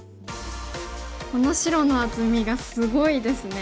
この白の厚みがすごいですね。